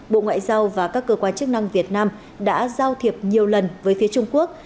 bộ ngoại giao và các cơ quan chức năng việt nam đã giao thiệp nhiều lần với phía trung quốc